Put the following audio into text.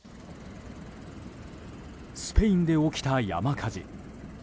スペインで起きた山火事。